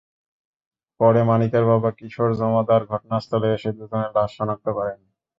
পরে মানিকের বাবা কিশোর জমাদার ঘটনাস্থলে এসে দুজনের লাশ শনাক্ত করেন।